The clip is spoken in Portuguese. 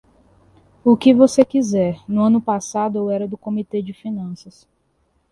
O que você quiser, no ano passado eu era do Comitê de Finanças.